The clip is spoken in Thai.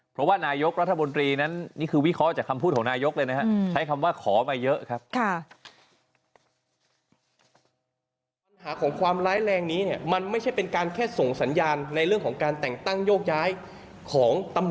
เพราะว่านายกรัฐบนตรีนั้นนี่คือวิเคราะห์จากคำพูดของนายกเลยนะ